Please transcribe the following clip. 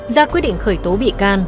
ra quyết định khởi tố bị can